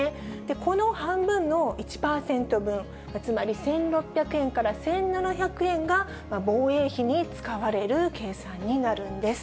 この半分の１％分、つまり１６００円から１７００円が、防衛費に使われる計算になるんです。